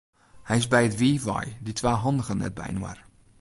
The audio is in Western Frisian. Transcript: Hy is by it wiif wei, dy twa handigen net byinoar.